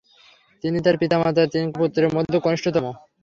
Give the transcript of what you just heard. তিনি তার পিতামাতার তিন পুত্রের মধ্যে কনিষ্ঠতম।